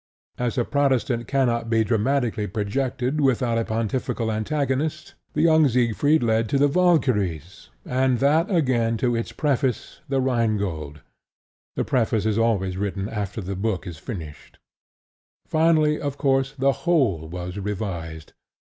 As a Protestant cannot be dramatically projected without a pontifical antagonist. The Young Siegfried led to The Valkyries, and that again to its preface The Rhine Gold (the preface is always written after the book is finished). Finally, of course, the whole was revised.